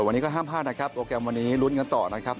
วันนี้ก็ห้ามพลาดนะครับโปรแกรมวันนี้ลุ้นกันต่อนะครับ